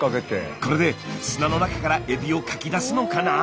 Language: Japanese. これで砂の中からエビをかき出すのかな？